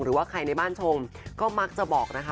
หรือว่าใครในบ้านชมก็มักจะบอกนะคะ